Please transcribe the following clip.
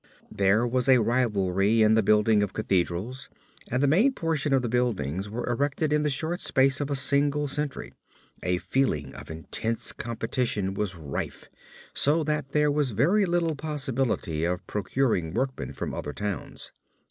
There was a rivalry in the building of Cathedrals, and as the main portion of the buildings were erected in the short space of a single century, a feeling of intense competition was rife so that there was very little possibility of procuring workmen from other towns.